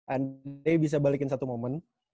andai bisa balikin satu momen